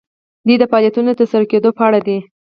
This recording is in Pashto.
دوی د فعالیتونو د ترسره کیدو په اړه دي.